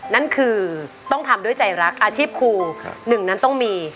นั่นคือต้องทำด้วยใจรักอาชีพครูหนึ่งนั้นต้องมี